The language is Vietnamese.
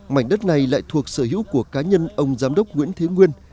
mảnh đất này lại thuộc sở hữu của cá nhân ông giám đốc nguyễn thế nguyên